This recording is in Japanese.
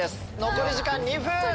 残り時間２分！